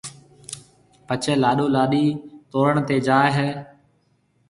پڇيَ لاڏو لاڏِي تورڻ تيَ جائيَ ھيََََ